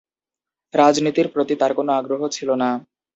রাজনীতির প্রতি তার কোনো আগ্রহ ছিলো না।